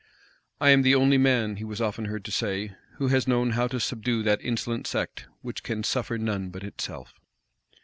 "I am the only man," he was often heard to say, "who has known how to subdue that insolent sect, which can suffer none but itself."